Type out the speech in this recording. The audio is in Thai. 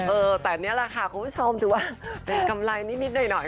เออแต่นี่แหละค่ะคุณผู้ชมถือว่าเป็นกำไรนิดหน่อย